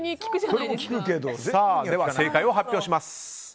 それでは正解を発表します。